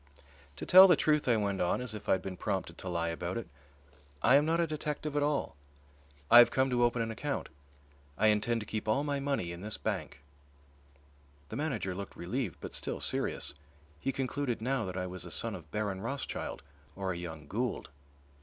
"To tell the truth," I went on, as if I had been prompted to lie about it, "I am not a detective at all. I have come to open an account. I intend to keep all my money in this bank." The manager looked relieved but still serious; he concluded now that I was a son of Baron Rothschild or a young Gould.